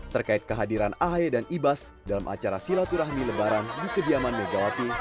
terkait kehadiran ahy dan ibas dalam acara silaturahmi lebaran di kediaman megawati